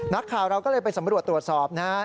นักข่าวเราก็เลยไปสำรวจตรวจสอบนะครับ